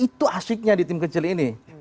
itu asiknya di tim kecil ini